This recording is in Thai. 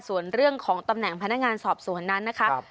ส่วนเรื่องของตำแหน่งพนักงานสอบสวนนั้นนะคะ